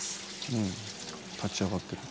うん立ち上がってる。